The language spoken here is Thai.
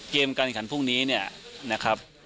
เกมการแข่งขันพรุ่งนี้เนี่ยนะครับ